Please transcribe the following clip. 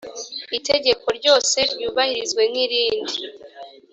itegeko ryose ryubahirizwe nkirindi.